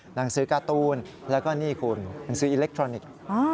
หนังสือการ์ตูนแล้วก็นี่คุณหนังสืออิเล็กทรอนิกส์